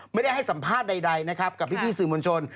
ไม่ได้ให้สัมภาษณ์ใดนะครับกับพี่สื่อมวลชน